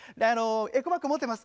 「エコバッグ持ってます」。